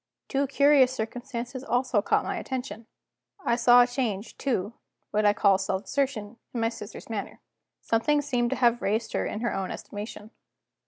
Two curious circumstances also caught my attention. I saw a change to, what I call self assertion, in my sister's manner; something seemed to have raised her in her own estimation.